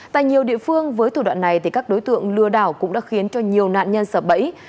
tại nhiều địa phương với thủ đoạn này các đối tượng lừa đảo cũng đã khiến cho nhiều nạn nhân sập bẫy